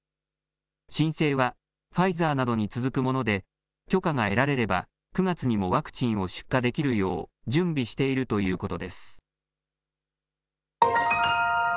申請は、ファイザーなどに続くもので、許可が得られれば、９月にもワクチンを出荷できるよう、準備しているということです。